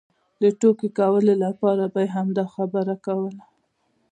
د ټوکې کولو لپاره به یې همدا خبره کوله.